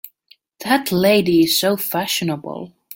That lady is so fashionable!